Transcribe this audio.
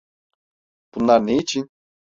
Bunlar ne için?